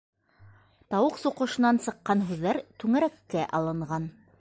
Тауыҡ суҡышынан сыҡҡан һүҙҙәр түңәрәккә алынған: